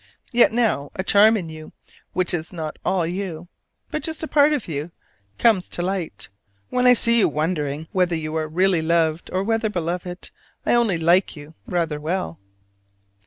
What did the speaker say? Yet now a charm in you, which is not all you, but just a part of you, comes to light, when I see you wondering whether you are really loved, or whether, Beloved, I only like you rather well!